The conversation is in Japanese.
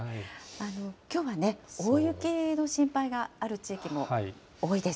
きょうはね、大雪の心配がある地域も多いです。